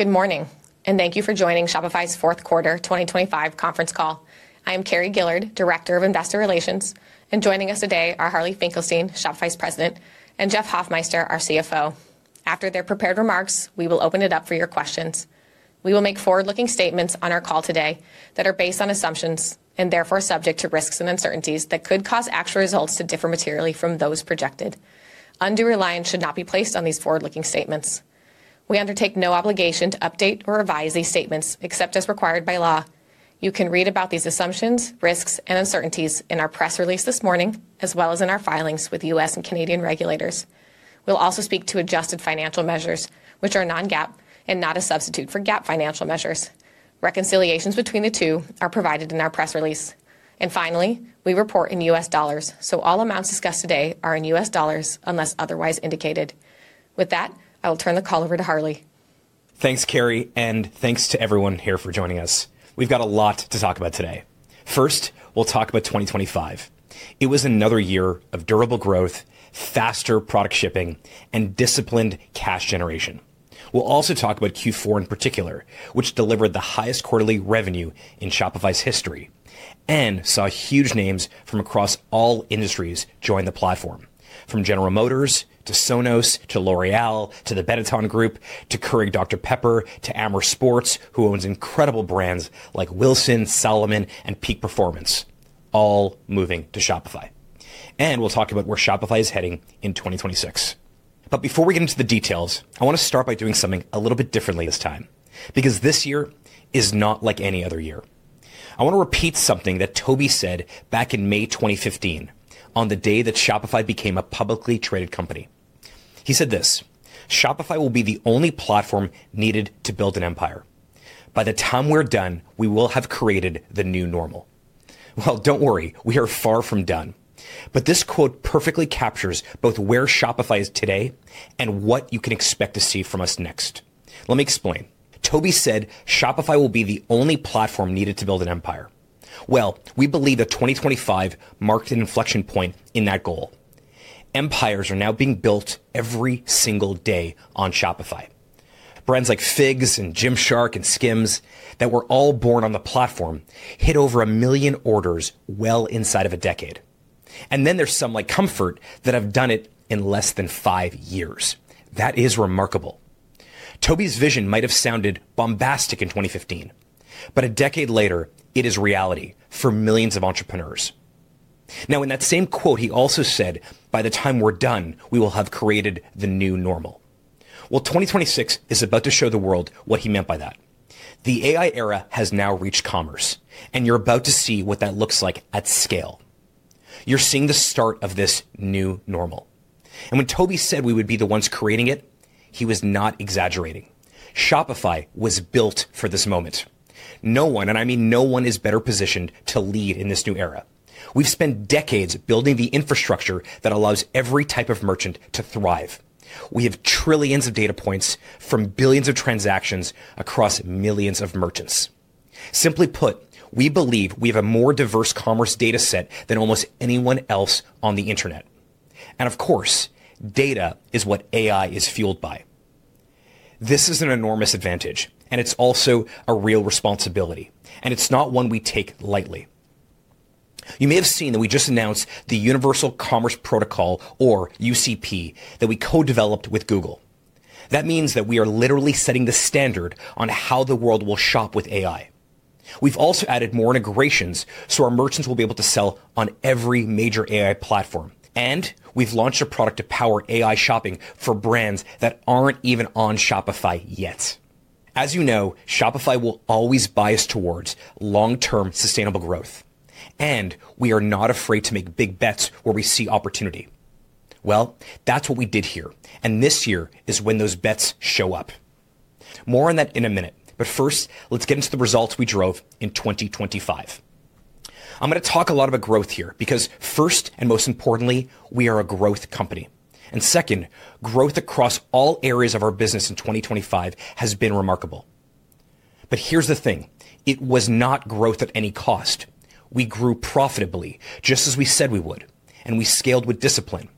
Good morning, and thank you for joining Shopify's fourth quarter 2025 conference call. I am Carrie Gillard, Director of Investor Relations, and joining us today are Harley Finkelstein, Shopify's President, and Jeff Hoffmeister, our CFO. After their prepared remarks, we will open it up for your questions. We will make forward-looking statements on our call today that are based on assumptions and therefore subject to risks and uncertainties that could cause actual results to differ materially from those projected. Undue reliance should not be placed on these forward-looking statements. We undertake no obligation to update or revise these statements except as required by law. You can read about these assumptions, risks, and uncertainties in our press release this morning, as well as in our filings with U.S. and Canadian regulators. We'll also speak to adjusted financial measures, which are non-GAAP and not a substitute for GAAP financial measures. Reconciliations between the two are provided in our press release. Finally, we report in U.S. dollars, so all amounts discussed today are in U.S. dollars unless otherwise indicated. With that, I will turn the call over to Harley. Thanks, Carrie, and thanks to everyone here for joining us. We've got a lot to talk about today. First, we'll talk about 2025. It was another year of durable growth, faster product shipping, and disciplined cash generation. We'll also talk about Q4 in particular, which delivered the highest quarterly revenue in Shopify's history and saw huge names from across all industries join the platform, from General Motors to Sonos to L'Oréal, to the Benetton Group, to Keurig Dr Pepper, to Amer Sports, who owns incredible brands like Wilson, Salomon, and Peak Performance, all moving to Shopify. And we'll talk about where Shopify is heading in 2026. But before we get into the details, I want to start by doing something a little bit differently this time, because this year is not like any other year. I want to repeat something that Tobi said back in May 2015, on the day that Shopify became a publicly traded company. He said this, "Shopify will be the only platform needed to build an empire. By the time we're done, we will have created the new normal." Well, don't worry, we are far from done. But this quote perfectly captures both where Shopify is today and what you can expect to see from us next. Let me explain. Tobi said Shopify will be the only platform needed to build an empire. Well, we believe that 2025 marked an inflection point in that goal. Empires are now being built every single day on Shopify. Brands like Figs and Gymshark and Skims, that were all born on the platform, hit over 1 million orders well inside of a decade. And then there's some, like Comfrt, that have done it in less than five years. That is remarkable! Tobi's vision might have sounded bombastic in 2015, but a decade later, it is reality for millions of entrepreneurs. Now, in that same quote, he also said, "By the time we're done, we will have created the new normal." Well, 2026 is about to show the world what he meant by that. The AI era has now reached commerce, and you're about to see what that looks like at scale. You're seeing the start of this new normal, and when Tobi said we would be the ones creating it, he was not exaggerating. Shopify was built for this moment. No one, and I mean no one, is better positioned to lead in this new era. We've spent decades building the infrastructure that allows every type of merchant to thrive. We have trillions of data points from billions of transactions across millions of merchants. Simply put, we believe we have a more diverse commerce data set than almost anyone else on the internet. And of course, data is what AI is fueled by. This is an enormous advantage, and it's also a real responsibility, and it's not one we take lightly. You may have seen that we just announced the Universal Commerce Protocol, or UCP, that we co-developed with Google. That means that we are literally setting the standard on how the world will shop with AI. We've also added more integrations, so our merchants will be able to sell on every major AI platform. And we've launched a product to power AI shopping for brands that aren't even on Shopify yet. As you know, Shopify will always bias towards long-term, sustainable growth, and we are not afraid to make big bets where we see opportunity. Well, that's what we did here, and this year is when those bets show up. More on that in a minute, but first, let's get into the results we drove in 2025. I'm going to talk a lot about growth here, because first, and most importantly, we are a growth company. And second, growth across all areas of our business in 2025 has been remarkable. But here's the thing: it was not growth at any cost. We grew profitably, just as we said we would, and we scaled with discipline.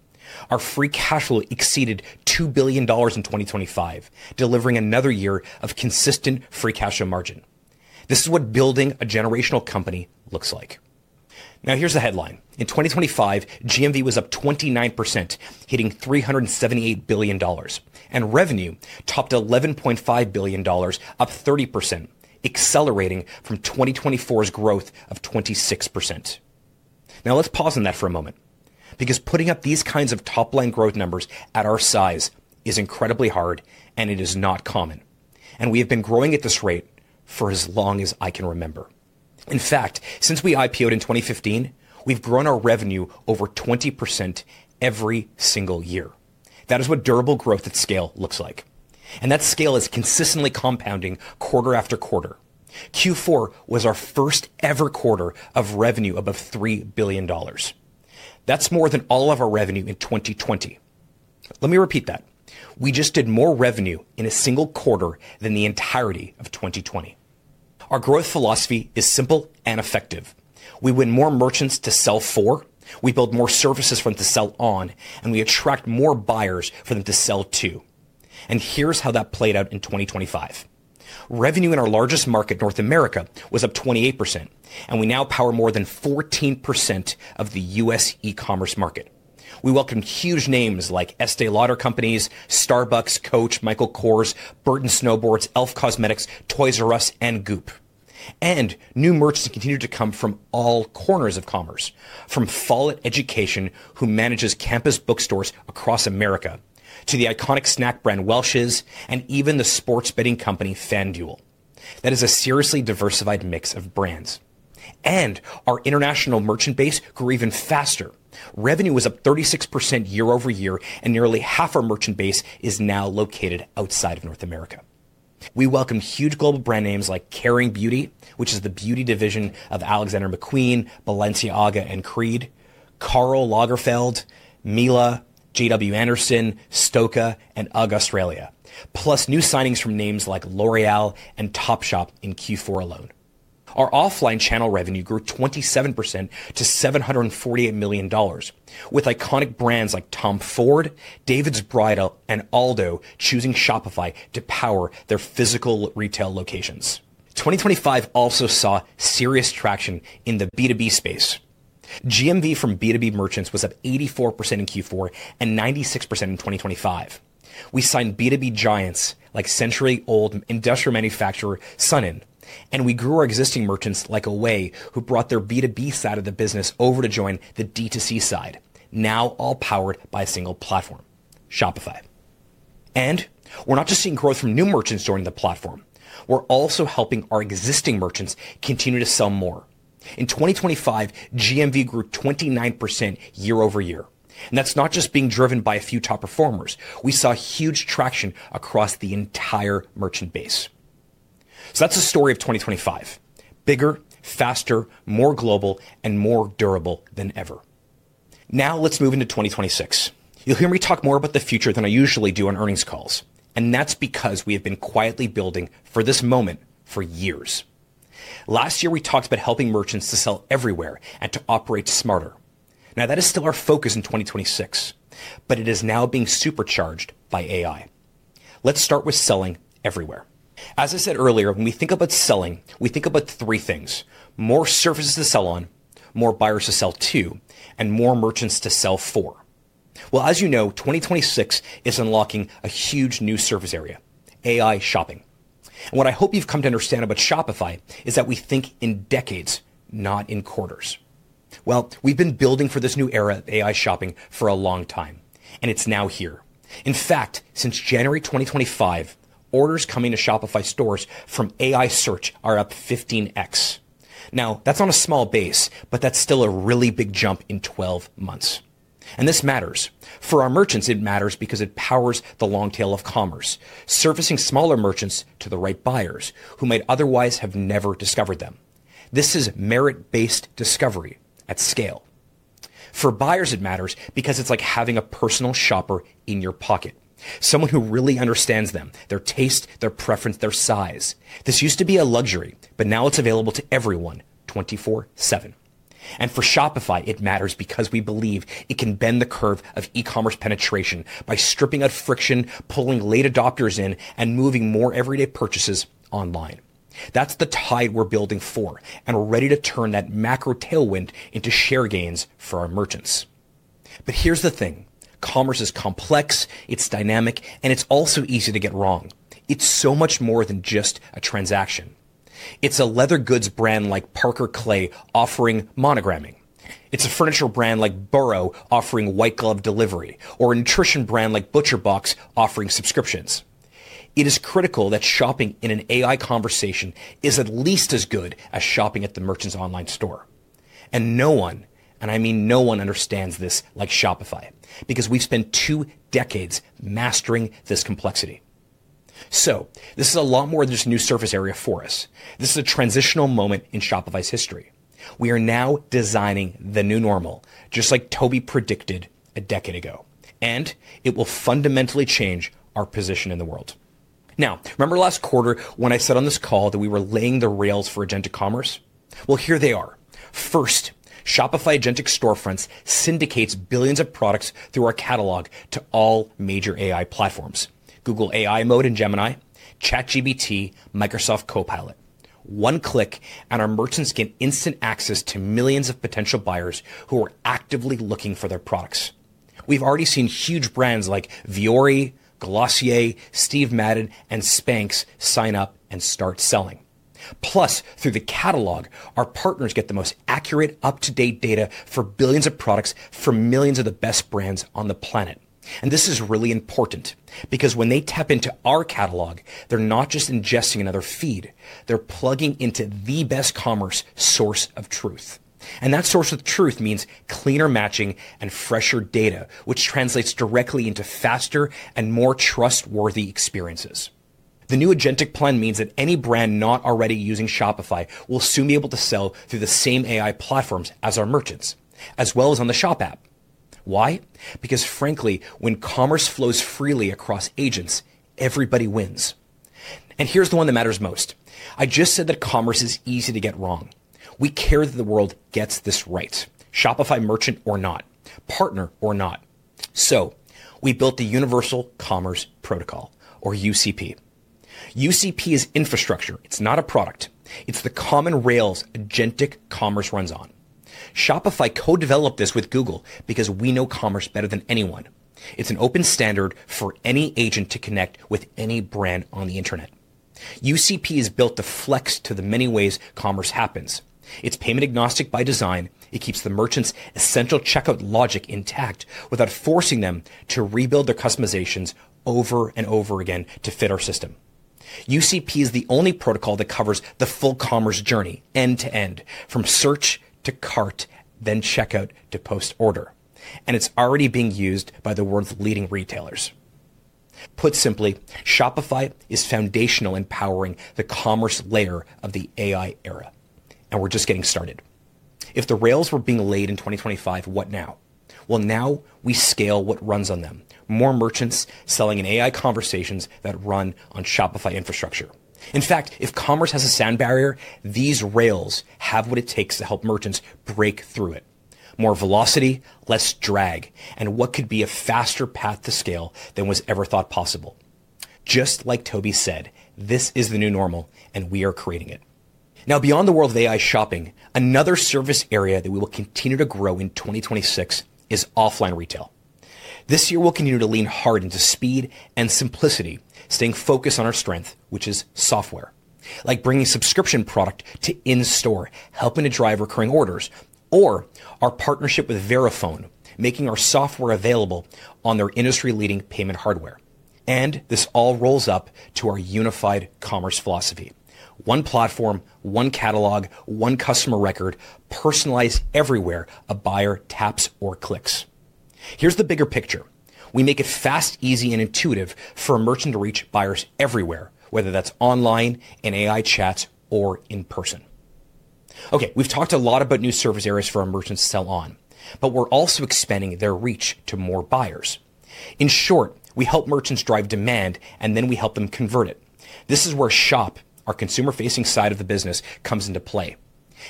Our free cash flow exceeded $2 billion in 2025, delivering another year of consistent free cash flow margin. This is what building a generational company looks like. Now, here's the headline. In 2025, GMV was up 29%, hitting $378 billion, and revenue topped $11.5 billion, up 30%, accelerating from 2024's growth of 26%. Now, let's pause on that for a moment, because putting up these kinds of top-line growth numbers at our size is incredibly hard, and it is not common, and we have been growing at this rate for as long as I can remember. In fact, since we IPO'd in 2015, we've grown our revenue over 20% every single year. That is what durable growth at scale looks like, and that scale is consistently compounding quarter after quarter. Q4 was our first-ever quarter of revenue above $3 billion. That's more than all of our revenue in 2020. Let me repeat that. We just did more revenue in a single quarter than the entirety of 2020. Our growth philosophy is simple and effective. We win more merchants to sell for, we build more services for them to sell on, and we attract more buyers for them to sell to. Here's how that played out in 2025. Revenue in our largest market, North America, was up 28%, and we now power more than 14% of the U.S. e-commerce market. We welcomed huge names like Estée Lauder Companies, Starbucks, Coach, Michael Kors, Burton Snowboards, e.l.f Cosmetics, Toys R Us, and Goop. New merchants continued to come from all corners of commerce, from Follett Higher Education, who manages campus bookstores across America, to the iconic snack brand Welch's, and even the sports betting company FanDuel. That is a seriously diversified mix of brands, and our international merchant base grew even faster. Revenue was up 36% year-over-year, and nearly half our merchant base is now located outside of North America. We welcome huge global brand names like Kering Beauty, which is the beauty division of Alexander McQueen, Balenciaga, and Creed, Karl Lagerfeld, Miele, JW Anderson, Stokke, and UGG Australia, plus new signings from names like L'Oréal and Topshop in Q4 alone. Our offline channel revenue grew 27% to $748 million, with iconic brands like Tom Ford, David's Bridal, and Aldo choosing Shopify to power their physical retail locations. 2025 also saw serious traction in the B2B space. GMV from B2B merchants was up 84% in Q4 and 96% in 2025. We signed B2B giants like century-old industrial manufacturer Sonepar, and we grew our existing merchants like Away, who brought their B2B side of the business over to join the D2C side, now all powered by a single platform, Shopify. We're not just seeing growth from new merchants joining the platform, we're also helping our existing merchants continue to sell more. In 2025, GMV grew 29% year-over-year, and that's not just being driven by a few top performers. We saw huge traction across the entire merchant base. So that's the story of 2025: bigger, faster, more global, and more durable than ever. Now, let's move into 2026. You'll hear me talk more about the future than I usually do on earnings calls, and that's because we have been quietly building for this moment for years. Last year, we talked about helping merchants to sell everywhere and to operate smarter. Now, that is still our focus in 2026, but it is now being supercharged by AI. Let's start with selling everywhere. As I said earlier, when we think about selling, we think about three things: more services to sell on, more buyers to sell to, and more merchants to sell for. Well, as you know, 2026 is unlocking a huge new surface area, AI shopping. What I hope you've come to understand about Shopify is that we think in decades, not in quarters. Well, we've been building for this new era of AI shopping for a long time, and it's now here. In fact, since January 2025, orders coming to Shopify stores from AI search are up 15x. Now, that's on a small base, but that's still a really big jump in 12 months, and this matters. For our merchants, it matters because it powers the long tail of commerce, surfacing smaller merchants to the right buyers who might otherwise have never discovered them. This is merit-based discovery at scale. For buyers, it matters because it's like having a personal shopper in your pocket, someone who really understands them, their taste, their preference, their size. This used to be a luxury, but now it's available to everyone, 24/7. And for Shopify, it matters because we believe it can bend the curve of e-commerce penetration by stripping out friction, pulling late adopters in, and moving more everyday purchases online. That's the tide we're building for, and we're ready to turn that macro tailwind into share gains for our merchants. But here's the thing, commerce is complex, it's dynamic, and it's also easy to get wrong. It's so much more than just a transaction. It's a leather goods brand like Parker Clay offering monogramming. It's a furniture brand like Burrow offering white glove delivery, or a nutrition brand like ButcherBox offering subscriptions. It is critical that shopping in an AI conversation is at least as good as shopping at the merchant's online store. And no one, and I mean no one, understands this like Shopify, because we've spent two decades mastering this complexity. So this is a lot more than just a new surface area for us. This is a transitional moment in Shopify's history. We are now designing the new normal, just like Tobi predicted a decade ago, and it will fundamentally change our position in the world. Now, remember last quarter when I said on this call that we were laying the rails for agentic commerce? Well, here they are. First, Shopify Agentic Storefronts syndicates billions of products through our catalog to all major AI platforms: Google's AI model, Gemini, ChatGPT, Microsoft Copilot. One click, and our merchants get instant access to millions of potential buyers who are actively looking for their products. We've already seen huge brands like Vuori, Glossier, Steve Madden, and Spanx sign up and start selling. Plus, through the catalog, our partners get the most accurate, up-to-date data for billions of products from millions of the best brands on the planet. And this is really important because when they tap into our catalog, they're not just ingesting another feed, they're plugging into the best commerce source of truth. That source of truth means cleaner matching and fresher data, which translates directly into faster and more trustworthy experiences. The new agentic plan means that any brand not already using Shopify will soon be able to sell through the same AI platforms as our merchants, as well as on the Shop App.... Why? Because frankly, when commerce flows freely across agents, everybody wins. And here's the one that matters most: I just said that commerce is easy to get wrong. We care that the world gets this right, Shopify merchant or not, partner or not. So we built the Universal Commerce Protocol, or UCP. UCP is infrastructure. It's not a product. It's the common rails agentic commerce runs on. Shopify co-developed this with Google because we know commerce better than anyone. It's an open standard for any agent to connect with any brand on the internet. UCP is built to flex to the many ways commerce happens. It's payment agnostic by design. It keeps the merchant's essential checkout logic intact without forcing them to rebuild their customizations over and over again to fit our system. UCP is the only protocol that covers the full commerce journey, end-to-end, from search to cart, then checkout to post order, and it's already being used by the world's leading retailers. Put simply, Shopify is foundational in powering the commerce layer of the AI era, and we're just getting started. If the rails were being laid in 2025, what now? Well, now we scale what runs on them, more merchants selling in AI conversations that run on Shopify infrastructure. In fact, if commerce has a sound barrier, these rails have what it takes to help merchants break through it. More velocity, less drag, and what could be a faster path to scale than was ever thought possible? Just like Tobi said, this is the new normal, and we are creating it. Now, beyond the world of AI shopping, another service area that we will continue to grow in 2026 is offline retail. This year, we'll continue to lean hard into speed and simplicity, staying focused on our strength, which is software. Like bringing subscription product to in-store, helping to drive recurring orders, or our partnership with Verifone, making our software available on their industry-leading payment hardware. And this all rolls up to our unified commerce philosophy. One platform, one catalog, one customer record, personalized everywhere a buyer taps or clicks. Here's the bigger picture: We make it fast, easy, and intuitive for a merchant to reach buyers everywhere, whether that's online, in AI chats, or in person. Okay, we've talked a lot about new service areas for our merchants to sell on, but we're also expanding their reach to more buyers. In short, we help merchants drive demand, and then we help them convert it. This is where Shop, our consumer-facing side of the business, comes into play,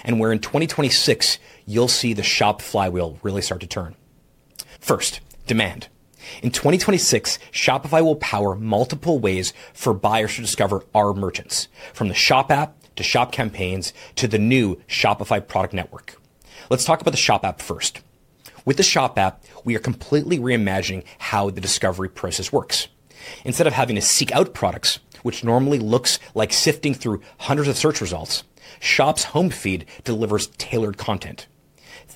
and where in 2026, you'll see the Shop flywheel really start to turn. First, demand. In 2026, Shopify will power multiple ways for buyers to discover our merchants, from the Shop App to Shop Campaigns to the new Shopify Product Network. Let's talk about the Shop App first. With the Shop App, we are completely reimagining how the discovery process works. Instead of having to seek out products, which normally looks like sifting through hundreds of search results, Shop's home feed delivers tailored content.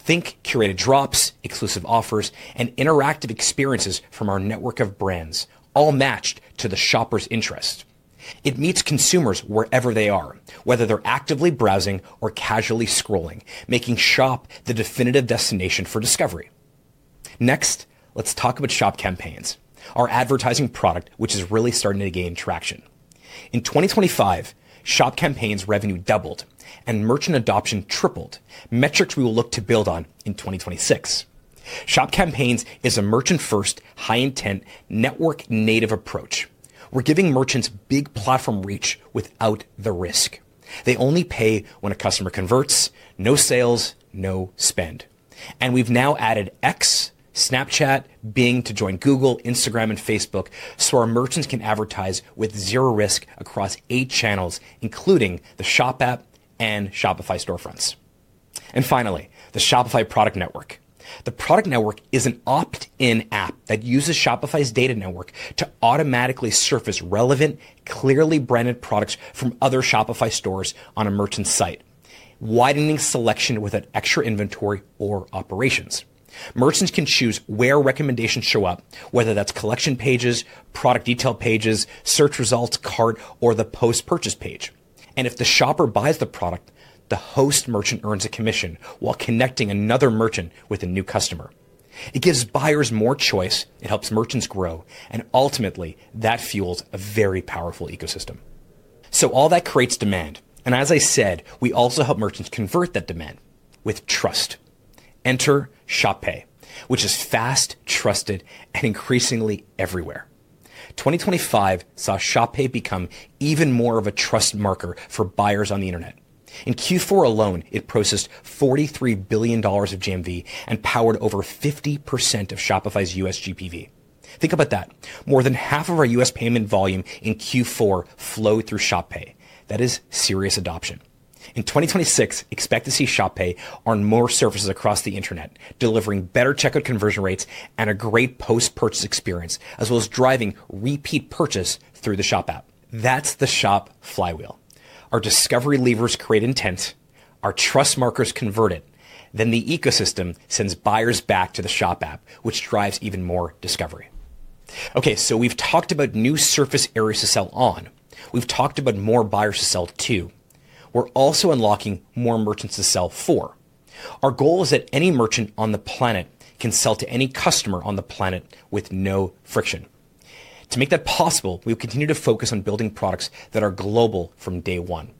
Think curated drops, exclusive offers, and interactive experiences from our network of brands, all matched to the shopper's interest. It meets consumers wherever they are, whether they're actively browsing or casually scrolling, making Shop the definitive destination for discovery. Next, let's talk about Shop Campaigns, our advertising product, which is really starting to gain traction. In 2025, Shop Campaigns revenue doubled and merchant adoption tripled, metrics we will look to build on in 2026. Shop Campaigns is a merchant-first, high-intent, network-native approach. We're giving merchants big platform reach without the risk. They only pay when a customer converts. No sales, no spend. And we've now added X, Snapchat, Bing to join Google, Instagram, and Facebook, so our merchants can advertise with zero risk across eight channels, including the Shop app and Shopify storefronts. And finally, the Shopify Product Network. The Shopify Product Network is an opt-in app that uses Shopify's data network to automatically surface relevant, clearly branded products from other Shopify stores on a merchant's site, widening selection without extra inventory or operations. Merchants can choose where recommendations show up, whether that's collection pages, product detail pages, search results, cart, or the post-purchase page. And if the shopper buys the product, the host merchant earns a commission while connecting another merchant with a new customer. It gives buyers more choice, it helps merchants grow, and ultimately, that fuels a very powerful ecosystem. All that creates demand, and as I said, we also help merchants convert that demand with trust. Enter Shop Pay, which is fast, trusted, and increasingly everywhere. 2025 saw Shop Pay become even more of a trust marker for buyers on the internet. In Q4 alone, it processed $43 billion of GMV and powered over 50% of Shopify's U.S. GPV. Think about that. More than half of our U.S. payment volume in Q4 flowed through Shop Pay. That is serious adoption. In 2026, expect to see Shop Pay on more surfaces across the internet, delivering better checkout conversion rates and a great post-purchase experience, as well as driving repeat purchase through the Shop App. That's the Shop flywheel. Our discovery levers create intent, our trust markers convert it, then the ecosystem sends buyers back to the Shop App, which drives even more discovery. Okay, so we've talked about new surface areas to sell on. We've talked about more buyers to sell to. We're also unlocking more merchants to sell for. Our goal is that any merchant on the planet can sell to any customer on the planet with no friction. To make that possible, we will continue to focus on building products that are global from day one.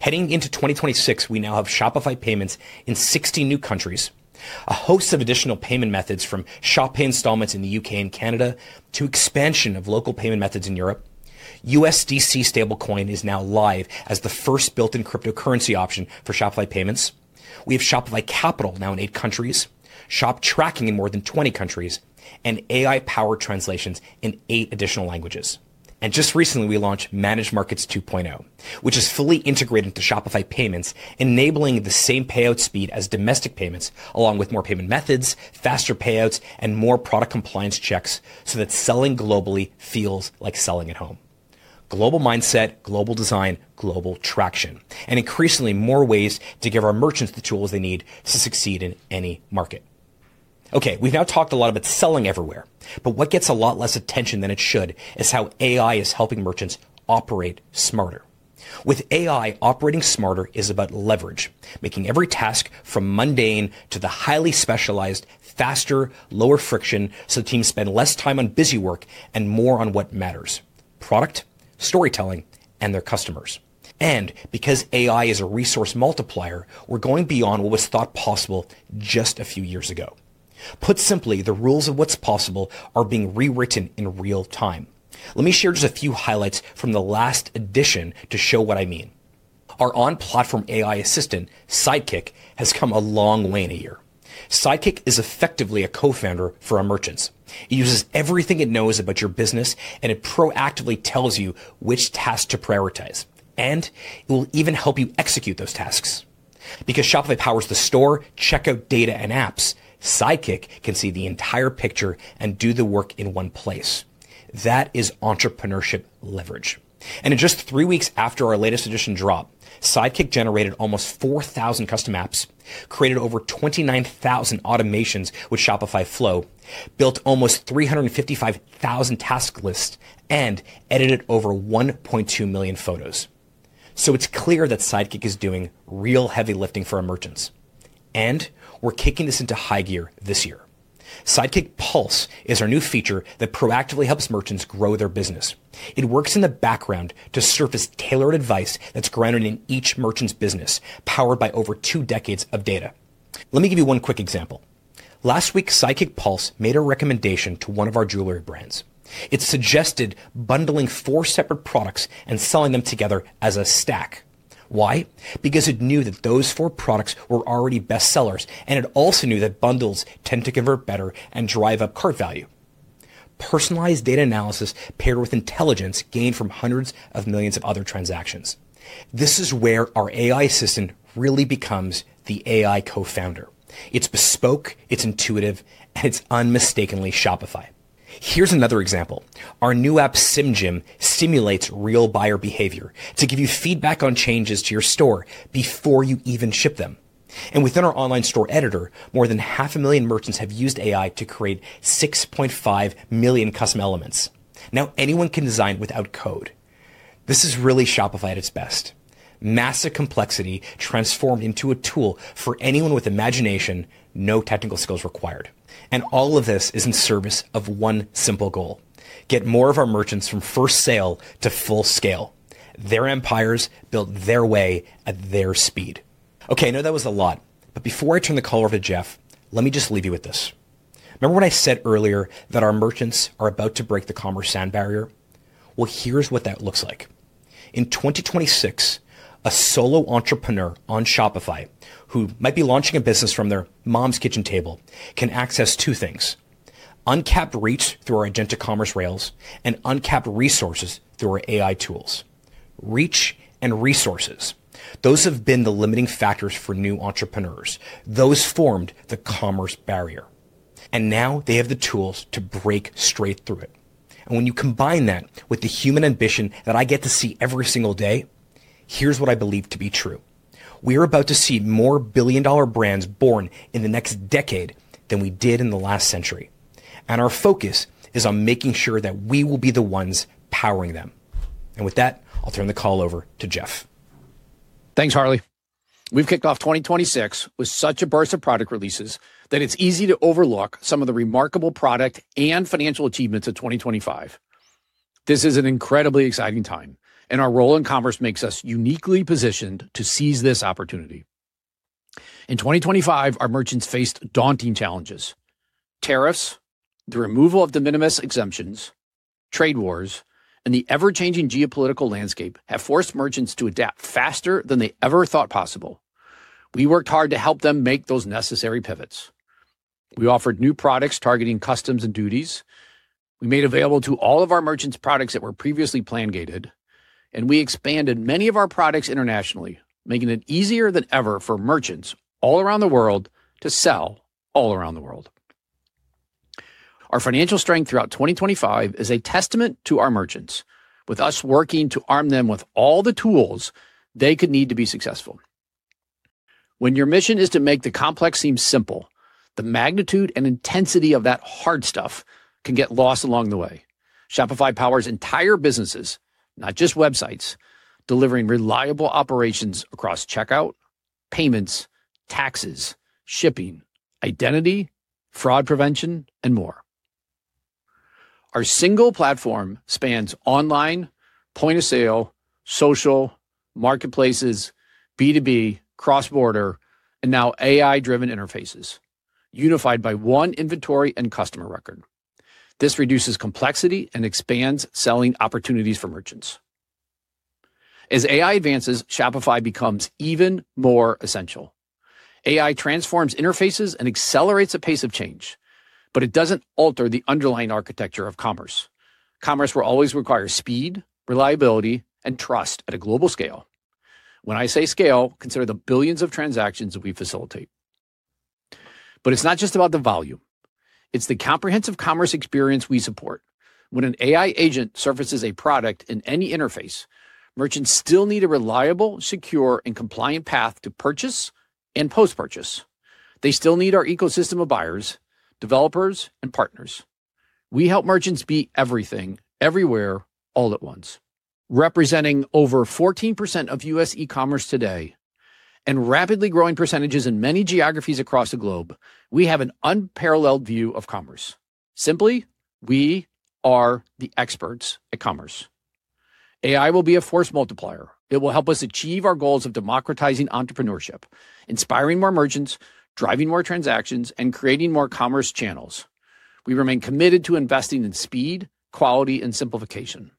Heading into 2026, we now have Shopify Payments in 60 new countries, a host of additional payment methods from Shop Pay Installments in the U.K. and Canada to expansion of local payment methods in Europe. USDC Stablecoin is now live as the first built-in cryptocurrency option for Shopify Payments. We have Shopify Capital now in eight countries, Shop tracking in more than 20 countries, and AI-powered translations in eight additional languages. Just recently, we launched Managed Markets 2.0, which is fully integrated into Shopify Payments, enabling the same payout speed as domestic payments, along with more payment methods, faster payouts, and more product compliance checks, so that selling globally feels like selling at home. Global mindset, global design, global traction, and increasingly more ways to give our merchants the tools they need to succeed in any market. Okay, we've now talked a lot about selling everywhere, but what gets a lot less attention than it should is how AI is helping merchants operate smarter. With AI, operating smarter is about leverage, making every task from mundane to the highly specialized, faster, lower friction, so teams spend less time on busy work and more on what matters: product, storytelling, and their customers. And because AI is a resource multiplier, we're going beyond what was thought possible just a few years ago. Put simply, the rules of what's possible are being rewritten in real time. Let me share just a few highlights from the last edition to show what I mean. Our on-platform AI assistant, Sidekick, has come a long way in a year. Sidekick is effectively a co-founder for our merchants. It uses everything it knows about your business, and it proactively tells you which tasks to prioritize, and it will even help you execute those tasks. Because Shopify powers the store, checkout data, and apps, Sidekick can see the entire picture and do the work in one place. That is entrepreneurship leverage. In just three weeks after our latest edition drop, Sidekick generated almost 4,000 custom apps, created over 29,000 automations with Shopify Flow, built almost 355,000 task lists, and edited over 1.2 million photos. It's clear that Sidekick is doing real heavy lifting for our merchants, and we're kicking this into high gear this year. Sidekick Pulse is our new feature that proactively helps merchants grow their business. It works in the background to surface tailored advice that's grounded in each merchant's business, powered by over two decades of data. Let me give you one quick example. Last week, Sidekick Pulse made a recommendation to one of our jewelry brands. It suggested bundling four separate products and selling them together as a stack. Why? Because it knew that those four products were already best sellers, and it also knew that bundles tend to convert better and drive up cart value. Personalized data analysis paired with intelligence gained from hundreds of millions of other transactions. This is where our AI assistant really becomes the AI co-founder. It's bespoke, it's intuitive, and it's unmistakably Shopify. Here's another example: Our new app, SimGym, simulates real buyer behavior to give you feedback on changes to your store before you even ship them. Within our online store editor, more than 500,000 merchants have used AI to create 6.5 million custom elements. Now, anyone can design without code. This is really Shopify at its best. Massive complexity transformed into a tool for anyone with imagination, no technical skills required. And all of this is in service of one simple goal: get more of our merchants from first sale to full scale, their empires built their way at their speed. Okay, I know that was a lot, but before I turn the call over to Jeff, let me just leave you with this. Remember when I said earlier that our merchants are about to break the commerce sound barrier? Well, here's what that looks like. In 2026, a solo entrepreneur on Shopify, who might be launching a business from their mom's kitchen table, can access two things: uncapped reach through our agentic commerce rails and uncapped resources through our AI tools. Reach and resources, those have been the limiting factors for new entrepreneurs. Those formed the commerce barrier, and now they have the tools to break straight through it. And when you combine that with the human ambition that I get to see every single day, here's what I believe to be true. We are about to see more billion-dollar brands born in the next decade than we did in the last century, and our focus is on making sure that we will be the ones powering them. And with that, I'll turn the call over to Jeff. Thanks, Harley. We've kicked off 2026 with such a burst of product releases that it's easy to overlook some of the remarkable product and financial achievements of 2025. This is an incredibly exciting time, and our role in commerce makes us uniquely positioned to seize this opportunity. In 2025, our merchants faced daunting challenges. Tariffs, the removal of de minimis exemptions, trade wars, and the ever-changing geopolitical landscape have forced merchants to adapt faster than they ever thought possible. We worked hard to help them make those necessary pivots. We offered new products targeting customs and duties. We made available to all of our merchants products that were previously plan-gated, and we expanded many of our products internationally, making it easier than ever for merchants all around the world to sell all around the world. Our financial strength throughout 2025 is a testament to our merchants, with us working to arm them with all the tools they could need to be successful. When your mission is to make the complex seem simple, the magnitude and intensity of that hard stuff can get lost along the way. Shopify powers entire businesses, not just websites, delivering reliable operations across checkout, payments, taxes, shipping, identity, fraud prevention, and more. Our single platform spans online, point-of-sale, social, marketplaces, B2B, cross-border, and now AI-driven interfaces, unified by one inventory and customer record. This reduces complexity and expands selling opportunities for merchants. As AI advances, Shopify becomes even more essential. AI transforms interfaces and accelerates the pace of change, but it doesn't alter the underlying architecture of commerce. Commerce will always require speed, reliability, and trust at a global scale. When I say scale, consider the billions of transactions that we facilitate. But it's not just about the volume, it's the comprehensive commerce experience we support. When an AI agent surfaces a product in any interface, merchants still need a reliable, secure, and compliant path to purchase and post-purchase. They still need our ecosystem of buyers, developers, and partners. We help merchants be everything, everywhere, all at once, representing over 14% of U.S. e-commerce today and rapidly growing percentages in many geographies across the globe, we have an unparalleled view of commerce. Simply, we are the experts at commerce. AI will be a force multiplier. It will help us achieve our goals of democratizing entrepreneurship, inspiring more merchants, driving more transactions, and creating more commerce channels. We remain committed to investing in speed, quality, and simplification.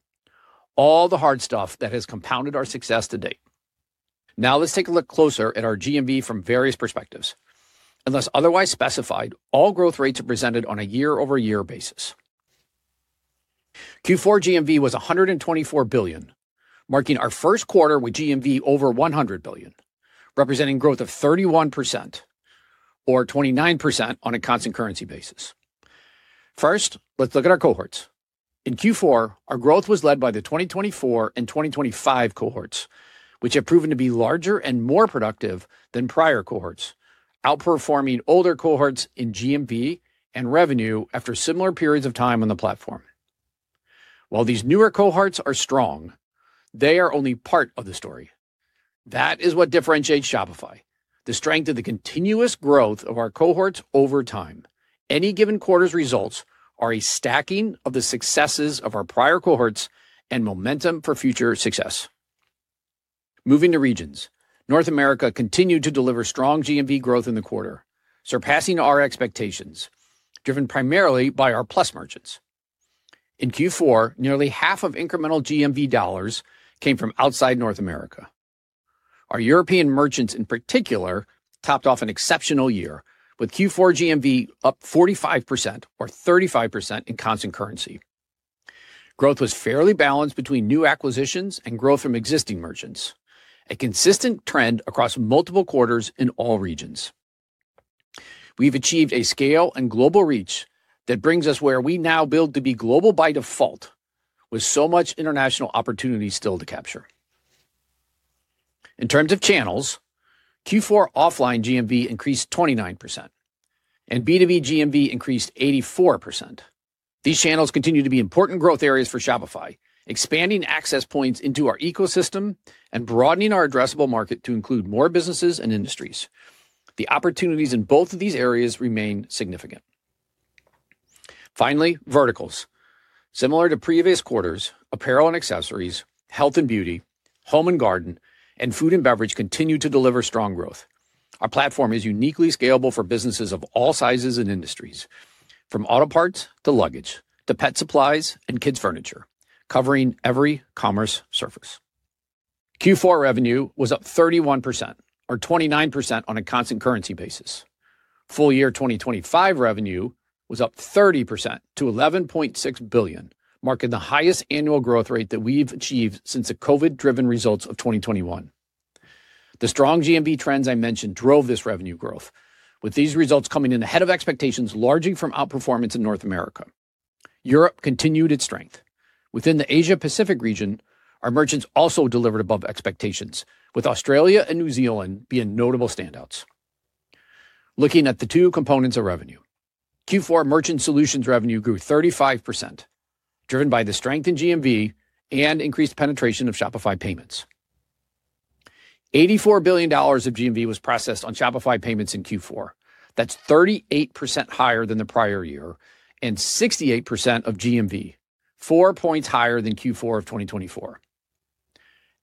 All the hard stuff that has compounded our success to date. Now, let's take a look closer at our GMV from various perspectives. Unless otherwise specified, all growth rates are presented on a year-over-year basis. Q4 GMV was $124 billion, marking our first quarter with GMV over $100 billion, representing growth of 31% or 29% on a constant currency basis. First, let's look at our cohorts. In Q4, our growth was led by the 2024 and 2025 cohorts, which have proven to be larger and more productive than prior cohorts, outperforming older cohorts in GMV and revenue after similar periods of time on the platform. While these newer cohorts are strong, they are only part of the story. That is what differentiates Shopify, the strength of the continuous growth of our cohorts over time. Any given quarter's results are a stacking of the successes of our prior cohorts and momentum for future success. Moving to regions. North America continued to deliver strong GMV growth in the quarter, surpassing our expectations, driven primarily by our Plus merchants. In Q4, nearly half of incremental GMV dollars came from outside North America. Our European merchants, in particular, topped off an exceptional year, with Q4 GMV up 45% or 35% in constant currency. Growth was fairly balanced between new acquisitions and growth from existing merchants, a consistent trend across multiple quarters in all regions. We've achieved a scale and global reach that brings us where we now build to be global by default, with so much international opportunity still to capture. In terms of channels, Q4 offline GMV increased 29% and B2B GMV increased 84%. These channels continue to be important growth areas for Shopify, expanding access points into our ecosystem and broadening our addressable market to include more businesses and industries. The opportunities in both of these areas remain significant. Finally, verticals. Similar to previous quarters, apparel and accessories, health and beauty, home and garden, and food and beverage continued to deliver strong growth. Our platform is uniquely scalable for businesses of all sizes and industries, from auto parts to luggage, to pet supplies and kids' furniture, covering every commerce surface. Q4 revenue was up 31% or 29% on a constant currency basis. Full year 2025 revenue was up 30% to $11.6 billion, marking the highest annual growth rate that we've achieved since the COVID-driven results of 2021. The strong GMV trends I mentioned drove this revenue growth, with these results coming in ahead of expectations, largely from outperformance in North America. Europe continued its strength. Within the Asia-Pacific region, our merchants also delivered above expectations, with Australia and New Zealand being notable standouts. Looking at the two components of revenue, Q4 Merchant Solutions revenue grew 35%, driven by the strength in GMV and increased penetration of Shopify Payments. $84 billion of GMV was processed on Shopify Payments in Q4. That's 38% higher than the prior year and 68% of GMV, 4 points higher than Q4 of 2024.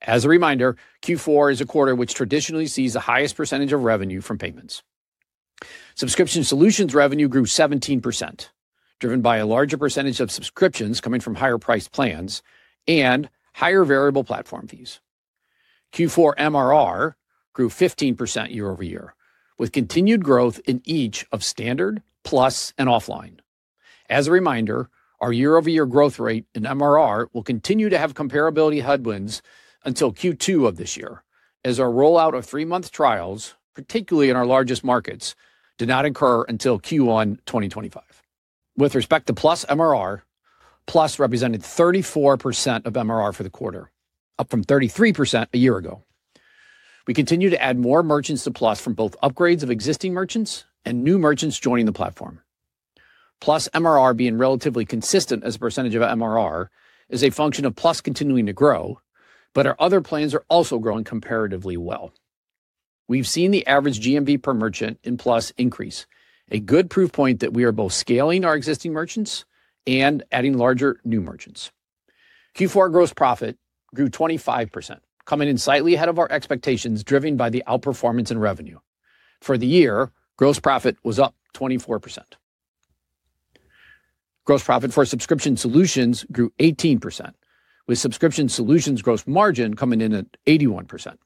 As a reminder, Q4 is a quarter which traditionally sees the highest percentage of revenue from payments. Subscription Solutions revenue grew 17%, driven by a larger percentage of subscriptions coming from higher-priced plans and higher variable platform fees. Q4 MRR grew 15% year-over-year, with continued growth in each of standard, plus, and offline. As a reminder, our year-over-year growth rate in MRR will continue to have comparability headwinds until Q2 of this year, as our rollout of three-month trials, particularly in our largest markets, did not incur until Q1 2025. With respect to Plus MRR, Plus represented 34% of MRR for the quarter, up from 33% a year ago. We continue to add more merchants to Plus from both upgrades of existing merchants and new merchants joining the platform. Plus MRR being relatively consistent as a percentage of MRR, is a function of Plus continuing to grow, but our other plans are also growing comparatively well. We've seen the average GMV per merchant in Plus increase, a good proof point that we are both scaling our existing merchants and adding larger new merchants. Q4 gross profit grew 25%, coming in slightly ahead of our expectations, driven by the outperformance in revenue. For the year, gross profit was up 24%. Gross profit for subscription solutions grew 18%, with subscription solutions gross margin coming in at 81%.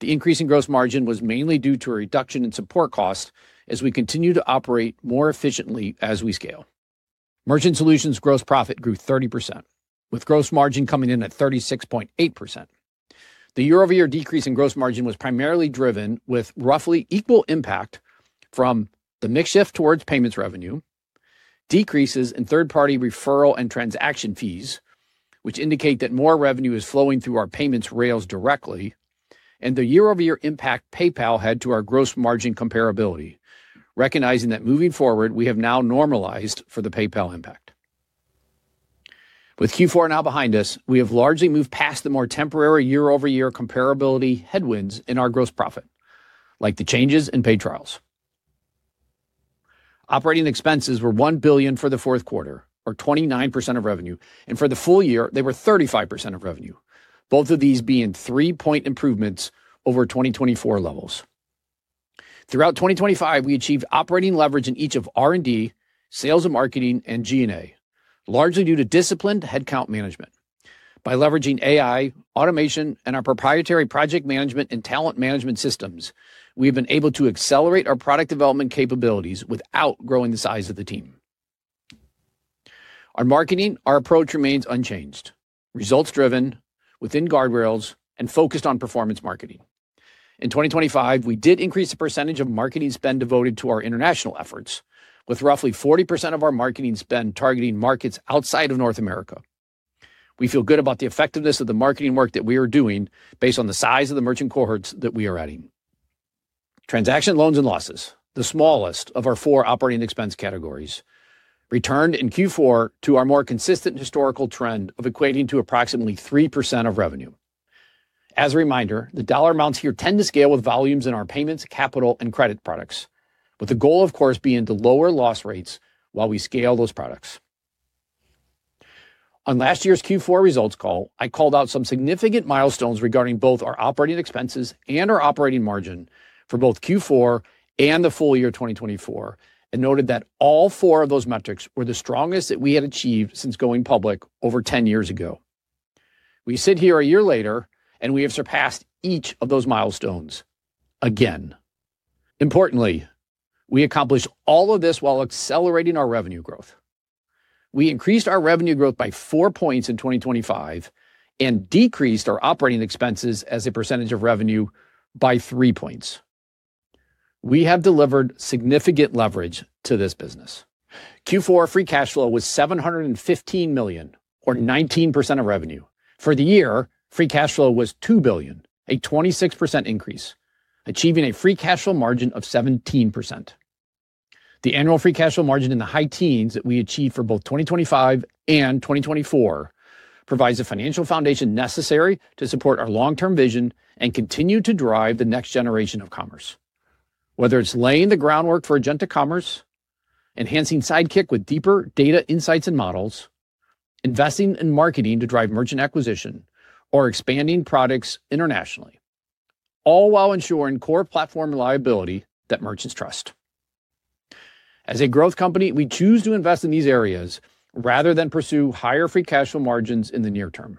The increase in gross margin was mainly due to a reduction in support costs as we continue to operate more efficiently as we scale. Merchant Solutions gross profit grew 30%, with gross margin coming in at 36.8%. The year-over-year decrease in gross margin was primarily driven with roughly equal impact from the mix shift towards payments revenue, decreases in third-party referral and transaction fees, which indicate that more revenue is flowing through our payments rails directly, and the year-over-year impact PayPal had to our gross margin comparability, recognizing that moving forward, we have now normalized for the PayPal impact. With Q4 now behind us, we have largely moved past the more temporary year-over-year comparability headwinds in our gross profit, like the changes in paid trials. Operating expenses were $1 billion for the fourth quarter, or 29% of revenue, and for the full year they were 35% of revenue. Both of these being 3-point improvements over 2024 levels. Throughout 2025, we achieved operating leverage in each of R&D, sales and marketing, and G&A, largely due to disciplined headcount management. By leveraging AI, automation, and our proprietary project management and talent management systems, we've been able to accelerate our product development capabilities without growing the size of the team. On marketing, our approach remains unchanged, results driven within guardrails and focused on performance marketing. In 2025, we did increase the percentage of marketing spend devoted to our international efforts, with roughly 40% of our marketing spend targeting markets outside of North America. We feel good about the effectiveness of the marketing work that we are doing, based on the size of the merchant cohorts that we are adding. Transaction loans and losses, the smallest of our four operating expense categories, returned in Q4 to our more consistent historical trend of equating to approximately 3% of revenue. As a reminder, the dollar amounts here tend to scale with volumes in our payments, capital, and credit products, with the goal, of course, being to lower loss rates while we scale those products. On last year's Q4 results call, I called out some significant milestones regarding both our operating expenses and our operating margin for both Q4 and the full year 2024, and noted that all four of those metrics were the strongest that we had achieved since going public over 10 years ago. We sit here a year later, and we have surpassed each of those milestones again. Importantly, we accomplished all of this while accelerating our revenue growth. We increased our revenue growth by 4 points in 2025 and decreased our operating expenses as a percentage of revenue by 3 points. We have delivered significant leverage to this business. Q4 free cash flow was $715 million, or 19% of revenue. For the year, free cash flow was $2 billion, a 26% increase, achieving a free cash flow margin of 17%. The annual free cash flow margin in the high teens that we achieved for both 2025 and 2024 provides the financial foundation necessary to support our long-term vision and continue to drive the next generation of commerce. Whether it's laying the groundwork for agentic commerce, enhancing Sidekick with deeper data, insights, and models, investing in marketing to drive merchant acquisition, or expanding products internationally, all while ensuring core platform reliability that merchants trust. As a growth company, we choose to invest in these areas rather than pursue higher free cash flow margins in the near term.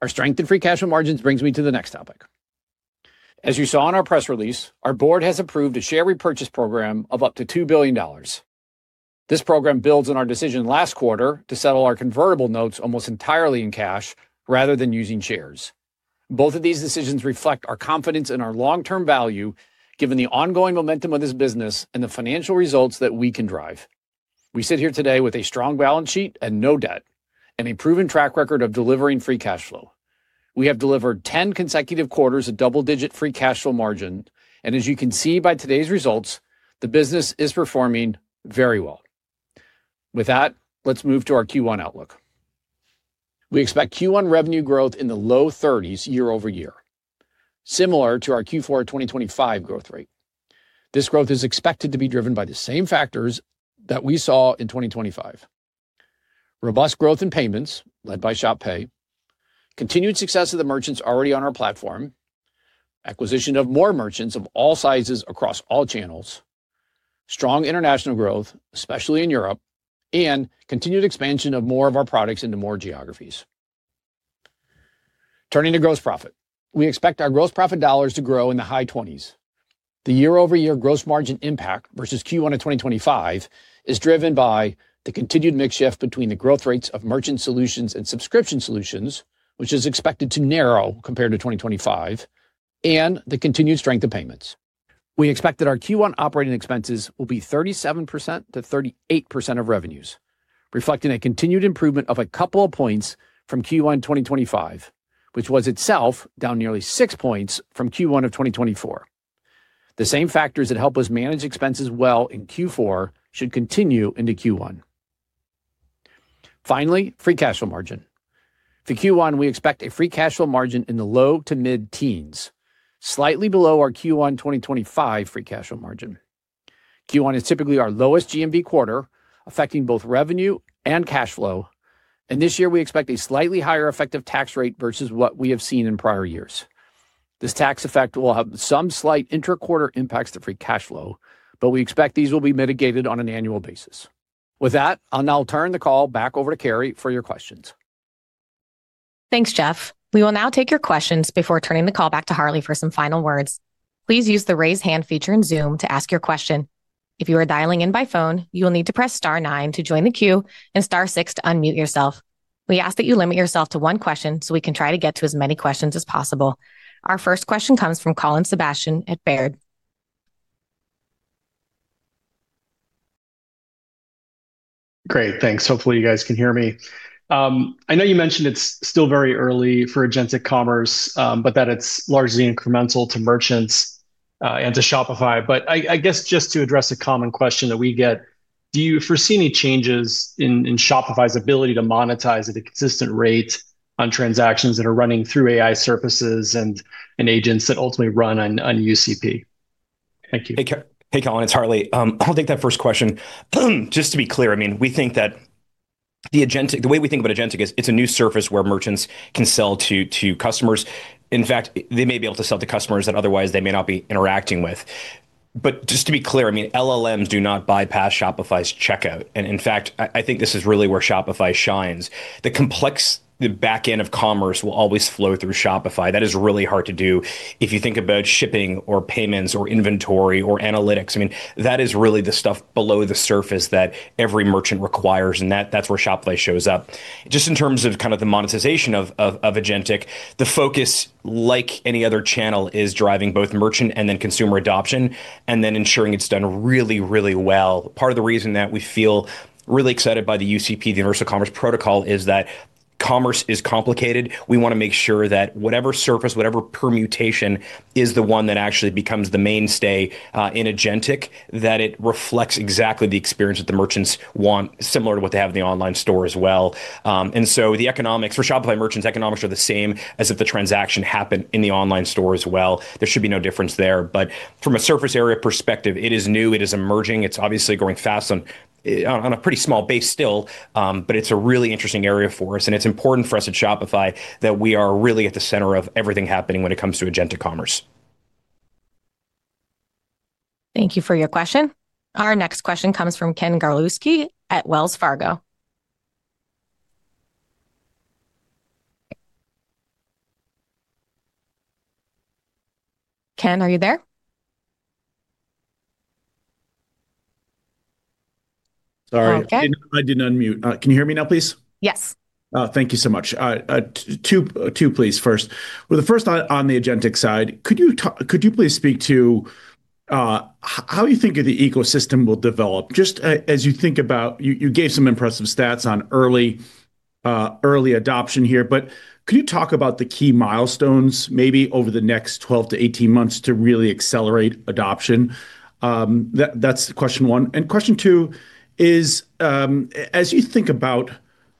Our strength in free cash flow margins brings me to the next topic. As you saw in our press release, our board has approved a share repurchase program of up to $2 billion. This program builds on our decision last quarter to settle our convertible notes almost entirely in cash, rather than using shares. Both of these decisions reflect our confidence in our long-term value, given the ongoing momentum of this business and the financial results that we can drive. We sit here today with a strong balance sheet and no debt, and a proven track record of delivering free cash flow. We have delivered 10 consecutive quarters of double-digit free cash flow margin, and as you can see by today's results, the business is performing very well. With that, let's move to our Q1 outlook. We expect Q1 revenue growth in the low 30s year-over-year, similar to our Q4 2025 growth rate. This growth is expected to be driven by the same factors that we saw in 2025. Robust growth in payments, led by Shop Pay, continued success of the merchants already on our platform, acquisition of more merchants of all sizes across all channels, strong international growth, especially in Europe, and continued expansion of more of our products into more geographies. Turning to gross profit. We expect our gross profit dollars to grow in the high 20s. The year-over-year gross margin impact versus Q1 of 2025 is driven by the continued mix shift between the growth rates of merchant solutions and subscription solutions, which is expected to narrow compared to 2025, and the continued strength of payments. We expect that our Q1 operating expenses will be 37%-38% of revenues, reflecting a continued improvement of a couple of points from Q1 2025, which was itself down nearly 6 points from Q1 of 2024. The same factors that help us manage expenses well in Q4 should continue into Q1.... Finally, free cash flow margin. For Q1, we expect a free cash flow margin in the low to mid-teens, slightly below our Q1 2025 free cash flow margin. Q1 is typically our lowest GMV quarter, affecting both revenue and cash flow, and this year we expect a slightly higher effective tax rate versus what we have seen in prior years. This tax effect will have some slight inter-quarter impacts to free cash flow, but we expect these will be mitigated on an annual basis. With that, I'll now turn the call back over to Carrie for your questions. Thanks, Jeff. We will now take your questions before turning the call back to Harley for some final words. Please use the Raise Hand feature in Zoom to ask your question. If you are dialing in by phone, you will need to press star nine to join the queue and star six to unmute yourself. We ask that you limit yourself to one question, so we can try to get to as many questions as possible. Our first question comes from Colin Sebastian at Baird. Great, thanks. Hopefully, you guys can hear me. I know you mentioned it's still very early for Agentic Commerce, but that it's largely incremental to merchants and to Shopify. But I guess just to address a common question that we get: Do you foresee any changes in Shopify's ability to monetize at a consistent rate on transactions that are running through AI surfaces and agents that ultimately run on UCP? Thank you. Hey, Colin, it's Harley. I'll take that first question. Just to be clear, I mean, we think that the way we think about agentic is it's a new surface where merchants can sell to customers. In fact, they may be able to sell to customers that otherwise they may not be interacting with. But just to be clear, I mean, LLMs do not bypass Shopify's checkout, and in fact, I think this is really where Shopify shines. The back end of commerce will always flow through Shopify. That is really hard to do if you think about shipping or payments or inventory or analytics. I mean, that is really the stuff below the surface that every merchant requires, and that's where Shopify shows up. Just in terms of kind of the monetization of agentic, the focus, like any other channel, is driving both merchant and then consumer adoption, and then ensuring it's done really, really well. Part of the reason that we feel really excited by the UCP, the Universal Commerce Protocol, is that commerce is complicated. We want to make sure that whatever surface, whatever permutation, is the one that actually becomes the mainstay in agentic, that it reflects exactly the experience that the merchants want, similar to what they have in the online store as well. And so the economics, for Shopify merchants, economics are the same as if the transaction happened in the online store as well. There should be no difference there. But from a surface area perspective, it is new, it is emerging. It's obviously growing fast on a pretty small base still, but it's a really interesting area for us, and it's important for us at Shopify that we are really at the center of everything happening when it comes to Agentic Commerce. Thank you for your question. Our next question comes from Ken Gawrelski at Wells Fargo. Ken, are you there? Sorry- Okay. I did unmute. Can you hear me now, please? Yes. Thank you so much. Two questions, please, first. Well, the first one on the agentic side, could you please speak to how you think the ecosystem will develop, just as you think about... You gave some impressive stats on early adoption here, but could you talk about the key milestones, maybe over the next 12-18 months, to really accelerate adoption? That's question one. And question two is, as you think about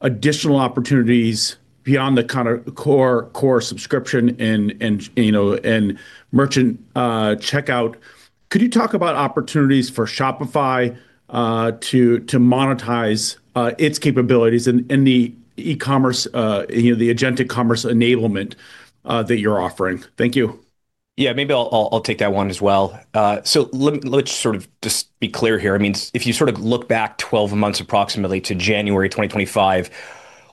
additional opportunities beyond the kind of core subscription and, you know, and merchant checkout, could you talk about opportunities for Shopify to monetize its capabilities in the e-commerce, you know, the agentic commerce enablement that you're offering? Thank you. Yeah, maybe I'll take that one as well. So let's sort of just be clear here. I mean, if you sort of look back 12 months approximately to January 2025,